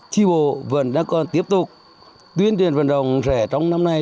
chi bộ vẫn đang còn tiếp tục tuyên truyền vườn rộng rẻ trong năm nay